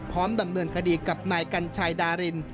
ดำเนินคดีกับนายกัญชัยดาริน